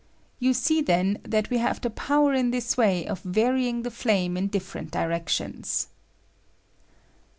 You see, then, that we have the power in this way of varying the flame in different directions.